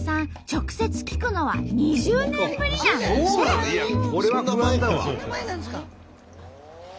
直接聞くのは２０年ぶりなんだって！